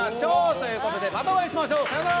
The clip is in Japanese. ということでまたお会いしましょうさようなら！